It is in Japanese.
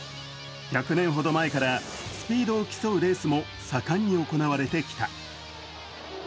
１００年ほど前からスピードを競うレースも盛んに行われてきた。